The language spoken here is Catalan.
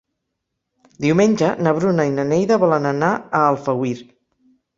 Diumenge na Bruna i na Neida volen anar a Alfauir.